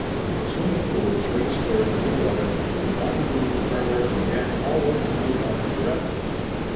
The swimming pool was right square in the middle of it, and the dining room, parlor and den all opened out on it direct.